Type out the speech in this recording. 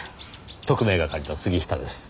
特命係の杉下です。